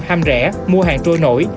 ham rẻ mua hàng trôi nổi